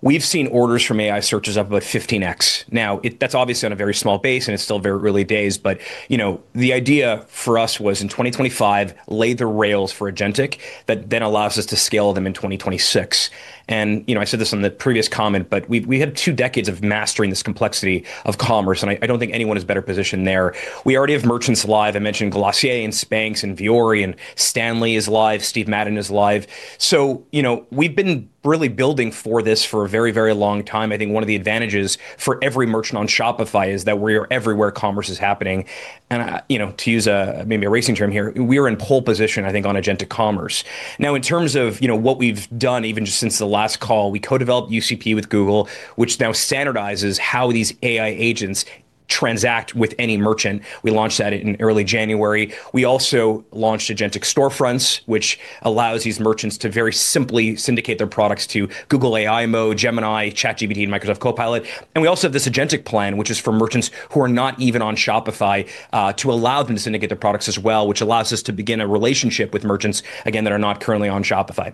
we've seen orders from AI searches up about 15x. Now, that's obviously on a very small base, and it's still very early days but, you know, the idea for us was, in 2025, lay the rails for agentic, that then allows us to scale them in 2026. And, you know, I said this in the previous comment, but we had two decades of mastering this complexity of commerce, and I don't think anyone is better positioned there. We already have merchants live. I mentioned Glossier and Spanx and Vuori, and Stanley is live. Steve Madden is live. So, you know, we've been really building for this for a very, very long time. I think one of the advantages for every merchant on Shopify is that we are everywhere commerce is happening, and, you know, to use maybe a racing term here, we are in pole position, I think, on agentic commerce. Now, in terms of, you know, what we've done, even just since the last call, we co-developed UCP with Google, which now standardizes how these AI agents transact with any merchant. We launched that in early January. We also launched Agentic Storefronts, which allows these merchants to very simply syndicate their products to Google AI model, Gemini, ChatGPT, and Microsoft Copilot. And we also have this Agentic plan, which is for merchants who are not even on Shopify, to allow them to syndicate their products as well, which allows us to begin a relationship with merchants, again, that are not currently on Shopify.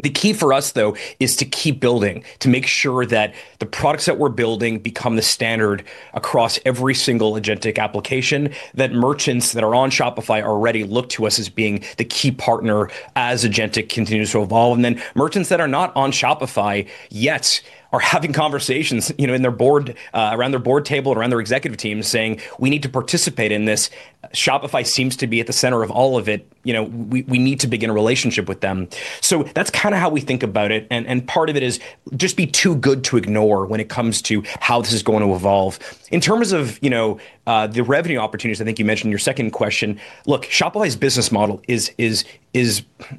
The key for us, though, is to keep building, to make sure that the products that we're building become the standard across every single agentic application, that merchants that are on Shopify already look to us as being the key partner as agentic continues to evolve. And then merchants that are not on Shopify yet are having conversations, you know, in their board, around their board table and around their executive team saying, "We need to participate in this. Shopify seems to be at the center of all of it. You know, we need to begin a relationship with them." So that's kinda how we think about it, and part of it is just be too good to ignore when it comes to how this is going to evolve. In terms of, you know, the revenue opportunities, I think you mentioned your second question. Look, Shopify's business model is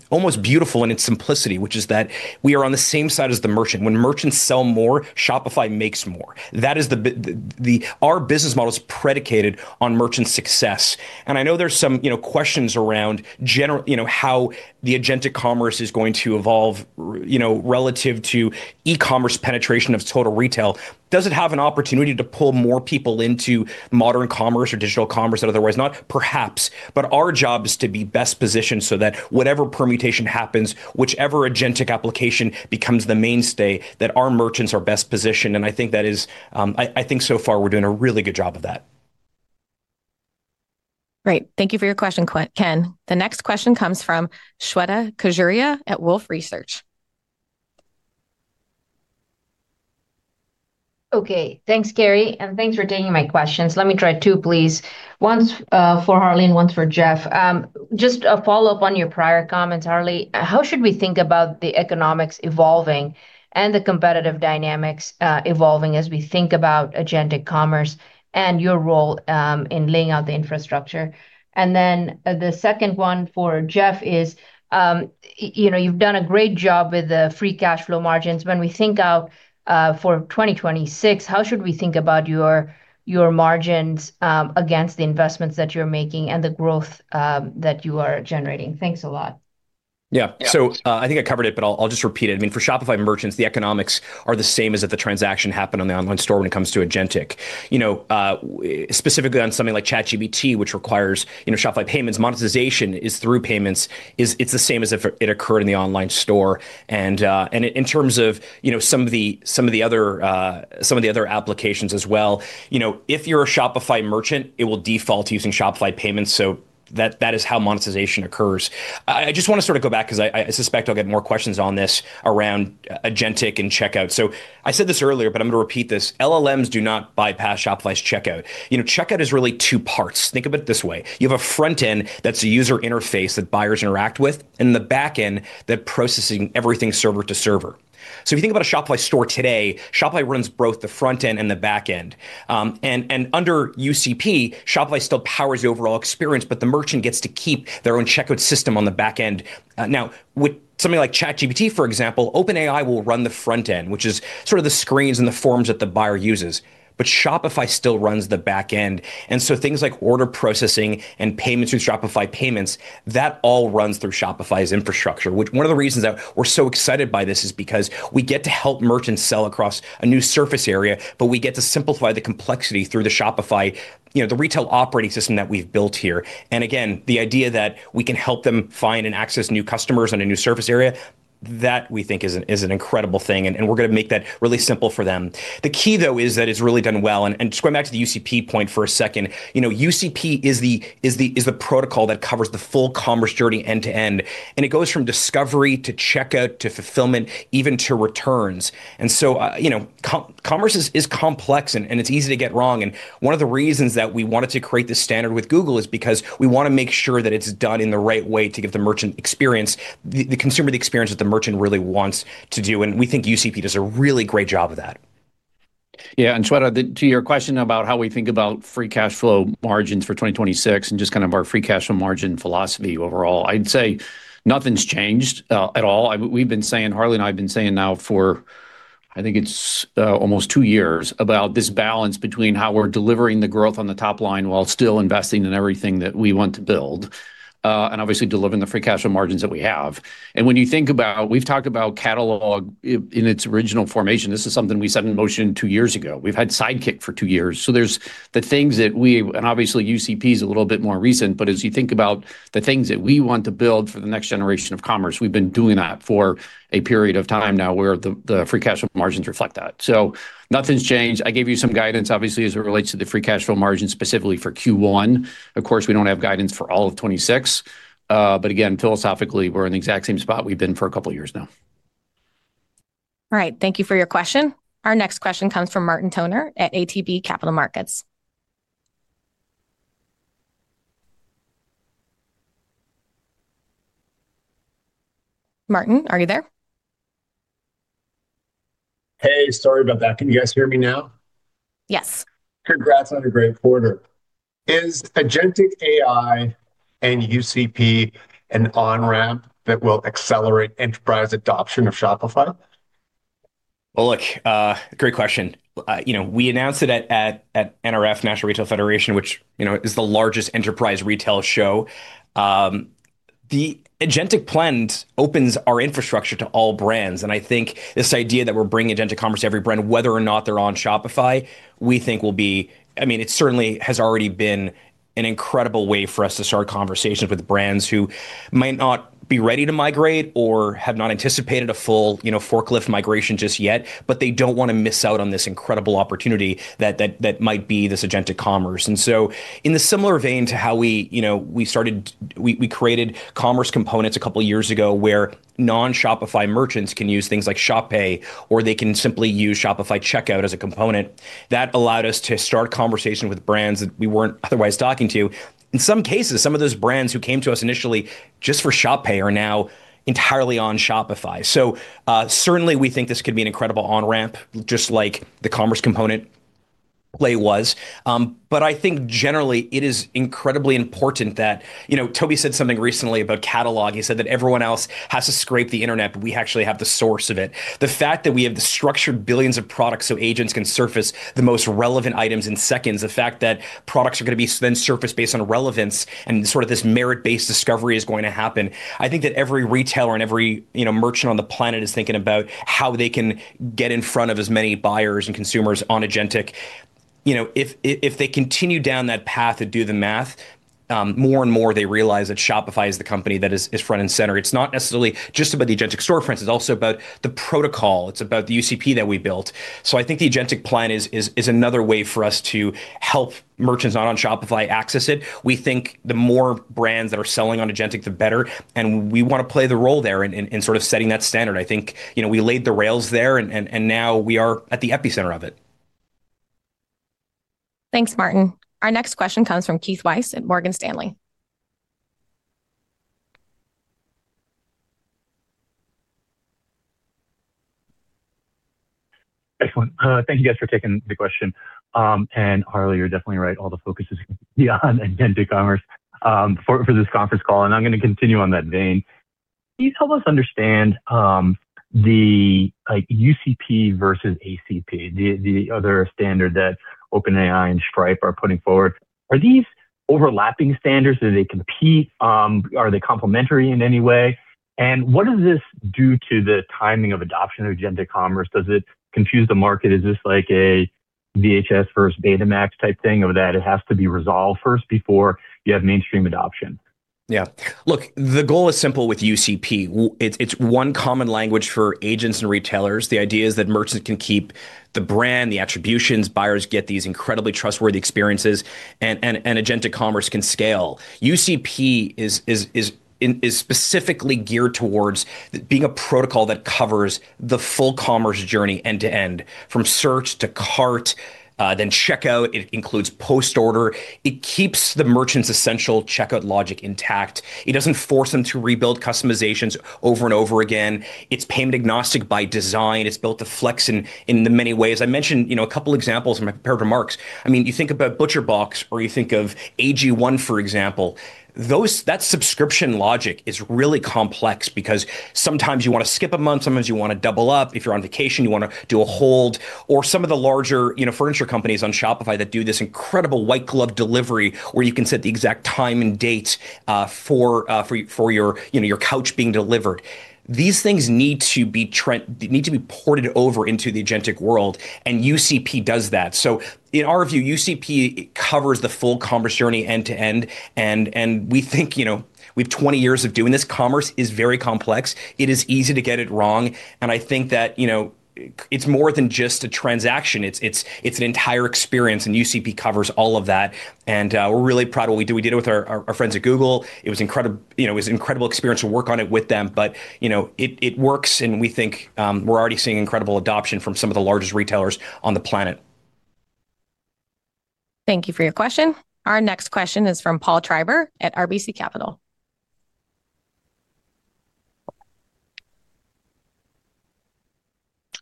almost beautiful in its simplicity, which is that we are on the same side as the merchant. When merchants sell more, Shopify makes more. That is the, our business model is predicated on merchant success, and I know there's some, you know, questions around generally, you know, how the Agentic Commerce is going to evolve, you know, relative to e-commerce penetration of total retail. Does it have an opportunity to pull more people into modern commerce or digital commerce that otherwise not? Perhaps, but our job is to be best positioned so that whatever permutation happens, whichever agentic application becomes the mainstay, that our merchants are best positioned, and I think so far we're doing a really good job of that. Great. Thank you for your question, Ken. The next question comes from Shweta Khajuria at Wolfe Research. Okay, thanks, Carrie, and thanks for taking my questions. Let me try two, please. One's for Harley and one's for Jeff. Just a follow-up on your prior comments, Harley, how should we think about the economics evolving and the competitive dynamics evolving as we think about agentic commerce and your role in laying out the infrastructure? And then the second one for Jeff is, you know, you've done a great job with the free cash flow margins. When we think out for 2026, how should we think about your margins against the investments that you're making and the growth that you are generating? Thanks a lot. Yeah. So, I think I covered it, but I'll just repeat it. I mean, for Shopify merchants, the economics are the same as if the transaction happened on the online store when it comes to agentic. You know, specifically on something like ChatGPT, which requires, you know, Shopify Payments, monetization is through payments, it's the same as if it occurred in the online store. And, in terms of, you know, some of the other applications as well, you know, if you're a Shopify merchant, it will default to using Shopify Payments, so that is how monetization occurs. I just wanna sort of go back, 'cause I suspect I'll get more questions on this around agentic and checkout. So I said this earlier, but I'm gonna repeat this: LLMs do not bypass Shopify's checkout. You know, checkout is really two parts. Think of it this way. You have a front end that's a user interface that buyers interact with and the back end that's processing everything server to server. So if you think about a Shopify store today, Shopify runs both the front end and the back end. Under UCP, Shopify still powers the overall experience, but the merchant gets to keep their own checkout system on the back end. Now, with something like ChatGPT, for example, OpenAI will run the front end, which is sort of the screens and the forms that the buyer uses, but Shopify still runs the back end, and so things like order processing and payments through Shopify Payments, that all runs through Shopify's infrastructure. Which one of the reasons that we're so excited by this is because we get to help merchants sell across a new surface area, but we get to simplify the complexity through the Shopify, you know, the retail operating system that we've built here. Again, the idea that we can help them find and access new customers in a new surface area, that we think is an incredible thing, and we're gonna make that really simple for them. The key, though, is that it's really done well. Just going back to the UCP point for a second, you know, UCP is the protocol that covers the full commerce journey end to end, and it goes from discovery to checkout to fulfillment, even to returns. And so, you know, agentic commerce is, is complex, and, and it's easy to get wrong. And one of the reasons that we wanted to create this standard with Google is because we wanna make sure that it's done in the right way to give the merchant experience, the consumer the experience that the merchant really wants to do, and we think UCP does a really great job of that. Yeah, and Shweta, to your question about how we think about Free Cash Flow margins for 2026 and just kind of our Free Cash Flow margin philosophy overall, I'd say nothing's changed at all. We've been saying, Harley and I have been saying now for, I think it's, almost two years, about this balance between how we're delivering the growth on the top line while still investing in everything that we want to build, and obviously delivering the Free Cash Flow margins that we have. And when you think about, we've talked about catalog in its original formation, this is something we set in motion two years ago. We've had Sidekick for two years, so there's the things that we... Obviously, UCP is a little bit more recent, but as you think about the things that we want to build for the next generation of commerce, we've been doing that for a period of time now, where the free cash flow margins reflect that. So nothing's changed. I gave you some guidance, obviously, as it relates to the free cash flow margin, specifically for Q1. Of course, we don't have guidance for all of 2026, but again, philosophically, we're in the exact same spot we've been for a couple of years now. All right, thank you for your question. Our next question comes from Martin Toner at ATB Capital Markets. Martin, are you there? Hey, sorry about that. Can you guys hear me now? Yes. Congrats on a great quarter. Is Agentic AI and UCP an on-ramp that will accelerate enterprise adoption of Shopify? Well, look, great question. You know, we announced it at NRF, National Retail Federation, which, you know, is the largest enterprise retail show. The Agentic plan opens our infrastructure to all brands, and I think this idea that we're bringing Agentic Commerce to every brand, whether or not they're on Shopify, we think will be. I mean, it certainly has already been an incredible way for us to start conversations with brands who might not be ready to migrate or have not anticipated a full, you know, forklift migration just yet, but they don't wanna miss out on this incredible opportunity that might be this Agentic Commerce. And so in a similar vein to how we, you know, started, we created Commerce Components a couple of years ago, where non-Shopify merchants can use things like Shop Pay, or they can simply use Shopify checkout as a component. That allowed us to start conversations with brands that we weren't otherwise talking to. In some cases, some of those brands who came to us initially just for Shop Pay are now entirely on Shopify. So certainly we think this could be an incredible on-ramp, just like the commerce component play was. But I think generally it is incredibly important that, you know, Tobi said something recently about catalog. He said that everyone else has to scrape the internet, but we actually have the source of it. The fact that we have the structured billions of products so agents can surface the most relevant items in seconds, the fact that products are gonna be then surfaced based on relevance and sort of this merit-based discovery is going to happen, I think that every retailer and every, you know, merchant on the planet is thinking about how they can get in front of as many buyers and consumers on agentic. You know, if, if they continue down that path and do the math, more and more, they realize that Shopify is the company that is, is front and center. It's not necessarily just about the agentic storefront, it's also about the protocol. It's about the UCP that we built. So I think the agentic plan is, is, is another way for us to help merchants not on Shopify access it. We think the more brands that are selling on agentic, the better, and we wanna play the role there in sort of setting that standard. I think, you know, we laid the rails there, and now we are at the epicenter of it. Thanks, Martin. Our next question comes from Keith Weiss at Morgan Stanley. Excellent. Thank you guys for taking the question. And Harley, you're definitely right, all the focus is on agentic commerce, for this conference call, and I'm gonna continue on that vein. Can you help us understand, like, UCP versus ACP, the other standard that OpenAI and Stripe are putting forward? Are these overlapping standards? Do they compete? Are they complementary in any way? And what does this do to the timing of adoption of agentic commerce? Does it confuse the market? Is this like a VHS versus Betamax type thing, or that it has to be resolved first before you have mainstream adoption? Yeah. Look, the goal is simple with UCP. It's one common language for agents and retailers. The idea is that merchants can keep the brand, the attributions, buyers get these incredibly trustworthy experiences, and agentic commerce can scale. UCP is specifically geared towards being a protocol that covers the full commerce journey end to end, from search to cart, then checkout. It includes post-order. It keeps the merchant's essential checkout logic intact. It doesn't force them to rebuild customizations over and over again. It's payment-agnostic by design. It's built to flex in the many ways. I mentioned, you know, a couple examples in my prepared remarks. I mean, you think about ButcherBox, or you think of AG1, for example. That subscription logic is really complex because sometimes you wanna skip a month, sometimes you wanna double up. If you're on vacation, you wanna do a hold. Or some of the larger, you know, furniture companies on Shopify that do this incredible white glove delivery, where you can set the exact time and date for, for, for your, you know, your couch being delivered. These things need to be—they need to be ported over into the agentic world, and UCP does that. So in our view, UCP covers the full commerce journey end to end, and, and we think, you know, we've 20 years of doing this. Commerce is very complex. It is easy to get it wrong, and I think that, you know, it's more than just a transaction. It's, it's, it's an entire experience, and UCP covers all of that. And, we're really proud of what we did. We did it with our, our, our friends at Google. It was incredible—you know, it was an incredible experience to work on it with them, but, you know, it works, and we think we're already seeing incredible adoption from some of the largest retailers on the planet. Thank you for your question. Our next question is from Paul Treiber at RBC Capital Markets.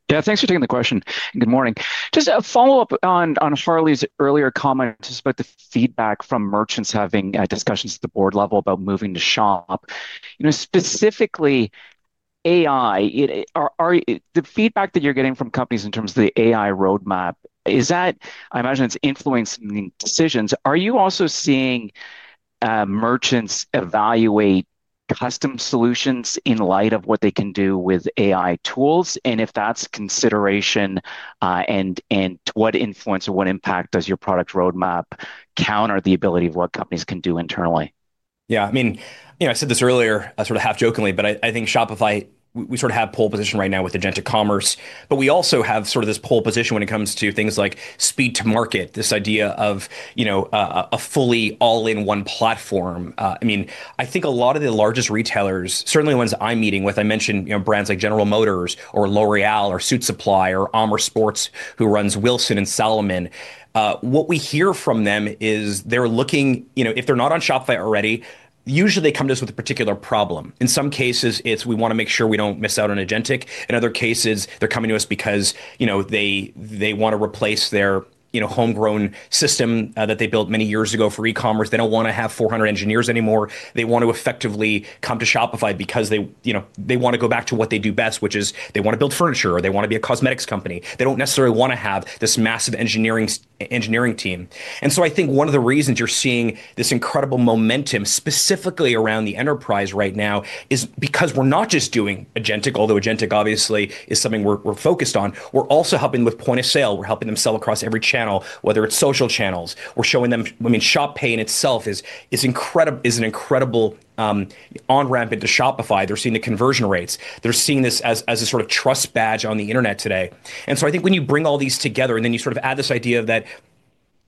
Yeah, thanks for taking the question, and good morning. Just a follow-up on Harley's earlier comments about the feedback from merchants having discussions at the board level about moving to Shop. You know, specifically AI. Are the feedback that you're getting from companies in terms of the AI roadmap? Is that influencing decisions? I imagine it's influencing decisions. Are you also seeing merchants evaluate custom solutions in light of what they can do with AI tools, and if that's consideration, and to what influence or what impact does your product roadmap counter the ability of what companies can do internally? Yeah, I mean, you know, I said this earlier, sort of half-jokingly, but I, I think Shopify, we, we sort of have pole position right now with agentic commerce, but we also have sort of this pole position when it comes to things like speed to market, this idea of, you know, a fully all-in-one platform. I mean, I think a lot of the largest retailers, certainly the ones I'm meeting with, I mentioned, you know, brands like General Motors or L'Oréal or Suitsupply or Amer Sports, who runs Wilson and Salomon, what we hear from them is they're looking... You know, if they're not on Shopify already, usually they come to us with a particular problem. In some cases, it's: We wanna make sure we don't miss out on agentic. In other cases, they're coming to us because, you know, they, they wanna replace their, you know, homegrown system that they built many years ago for e-commerce. They don't wanna have 400 engineers anymore. They want to effectively come to Shopify because they, you know, they wanna go back to what they do best, which is they wanna build furniture, or they wanna be a cosmetics company. They don't necessarily wanna have this massive engineering team. And so I think one of the reasons you're seeing this incredible momentum, specifically around the enterprise right now, is because we're not just doing agentic, although agentic obviously is something we're, we're focused on. We're also helping with point of sale. We're helping them sell across every channel, whether it's social channels. We're showing them. I mean, Shop Pay in itself is an incredible on-ramp into Shopify. They're seeing the conversion rates. They're seeing this as a sort of trust badge on the internet today. And so I think when you bring all these together, and then you sort of add this idea that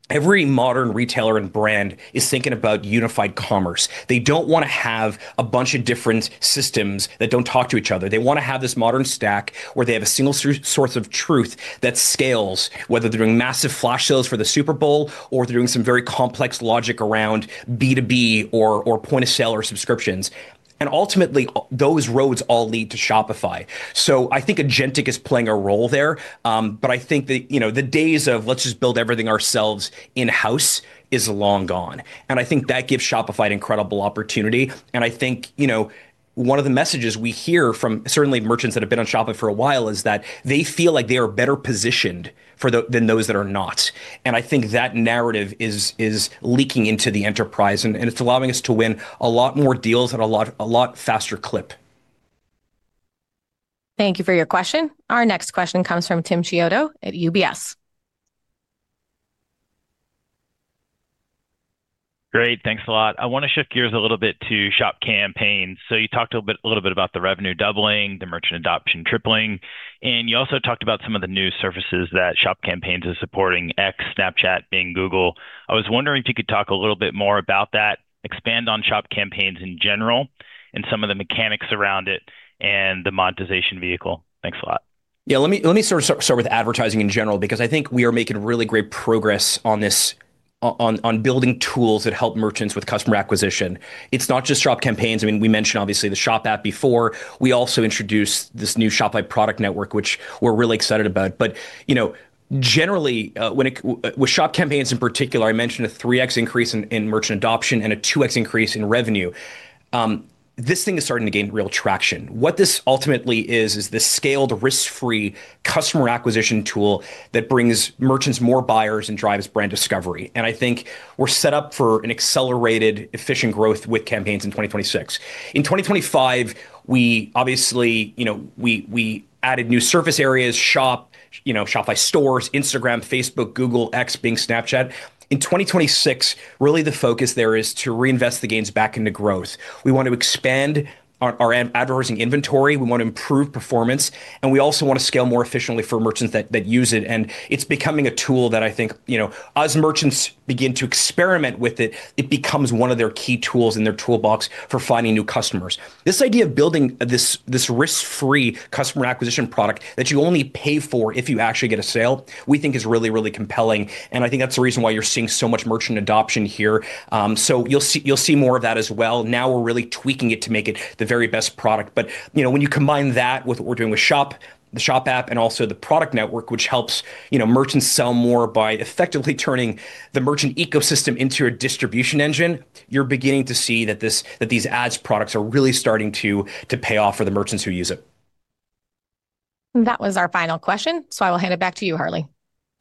every modern retailer and brand is thinking about unified commerce. They don't wanna have a bunch of different systems that don't talk to each other. They wanna have this modern stack where they have a single source of truth that scales, whether they're doing massive flash sales for the Super Bowl or they're doing some very complex logic around B2B or point-of-sale or subscriptions. And ultimately, those roads all lead to Shopify. So I think Agentic is playing a role there, but I think that, you know, the days of let's just build everything ourselves in-house is long gone, and I think that gives Shopify an incredible opportunity. And I think, you know, one of the messages we hear from certainly merchants that have been on Shopify for a while is that they feel like they are better positioned for the- than those that are not. And I think that narrative is, is leaking into the enterprise, and, and it's allowing us to win a lot more deals at a lot, a lot faster clip. Thank you for your question. Our next question comes from Tim Chiodo at UBS. Great, thanks a lot. I wanna shift gears a little bit to Shop Campaigns. So you talked a bit, a little bit about the revenue doubling, the merchant adoption tripling, and you also talked about some of the new services that Shop Campaigns is supporting, X, Snapchat, Bing, Google. I was wondering if you could talk a little bit more about that, expand on Shop Campaigns in general and some of the mechanics around it and the monetization vehicle. Thanks a lot. Yeah, let me sort of start with advertising in general, because I think we are making really great progress on building tools that help merchants with customer acquisition. It's not just Shop Campaigns. I mean, we mentioned obviously the Shop App before. We also introduced this new Shopify Product Network, which we're really excited about. But, you know, generally, with Shop Campaigns in particular, I mentioned a 3x increase in merchant adoption and a 2x increase in revenue. This thing is starting to gain real traction. What this ultimately is, is the scaled, risk-free customer acquisition tool that brings merchants more buyers and drives brand discovery, and I think we're set up for an accelerated efficient growth with campaigns in 2026. In 2025, we obviously, you know, added new surface areas, Shopify stores, Instagram, Facebook, Google, X, Bing, Snapchat. In 2026, really the focus there is to reinvest the gains back into growth. We want to expand our advertising inventory, we want to improve performance, and we also want to scale more efficiently for merchants that use it. And it's becoming a tool that I think, you know, as merchants begin to experiment with it, it becomes one of their key tools in their toolbox for finding new customers. This idea of building this risk-free customer acquisition product that you only pay for if you actually get a sale, we think is really, really compelling, and I think that's the reason why you're seeing so much merchant adoption here. So you'll see more of that as well. Now we're really tweaking it to make it the very best product. But, you know, when you combine that with what we're doing with Shop, the Shop App, and also the product network, which helps, you know, merchants sell more by effectively turning the merchant ecosystem into a distribution engine, you're beginning to see that these ads products are really starting to pay off for the merchants who use it. That was our final question, so I will hand it back to you, Harley.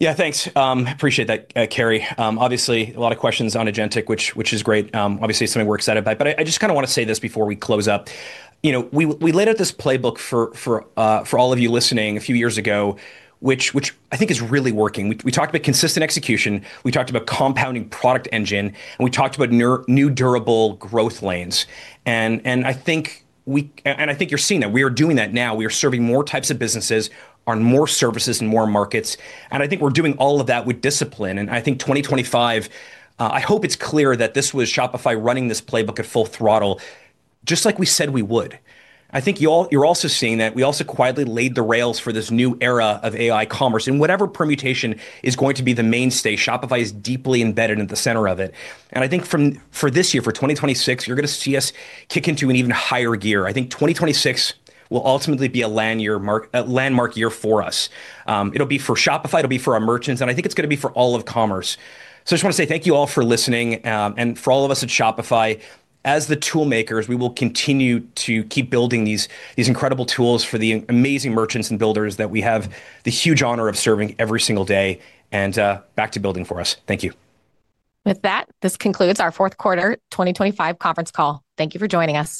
Yeah, thanks. Appreciate that, Carrie. Obviously, a lot of questions on Agentic, which is great. Obviously, something we're excited about. But I just kinda wanna say this before we close up. You know, we laid out this playbook for all of you listening a few years ago, which I think is really working. We talked about consistent execution, we talked about compounding product engine, and we talked about new durable growth lanes. And I think you're seeing that. We are doing that now. We are serving more types of businesses on more services and more markets, and I think we're doing all of that with discipline. I think 2025, I hope it's clear that this was Shopify running this playbook at full throttle, just like we said we would. I think you're also seeing that we also quietly laid the rails for this new era of AI commerce, and whatever permutation is going to be the mainstay, Shopify is deeply embedded at the center of it. And I think for this year, for 2026, you're gonna see us kick into an even higher gear. I think 2026 will ultimately be a landmark year for us. It'll be for Shopify, it'll be for our merchants, and I think it's gonna be for all of commerce. So I just wanna say thank you all for listening, and for all of us at Shopify, as the tool makers, we will continue to keep building these, these incredible tools for the amazing merchants and builders that we have the huge honor of serving every single day, and back to building for us. Thank you. With that, this concludes our fourth quarter 2025 conference call. Thank you for joining us.